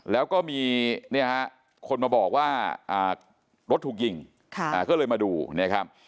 แล้วก็มีเนี่ยฮะคนมาบอกว่ารถถูกยิงค่ะก็เลยมาดูเนี่ยครับ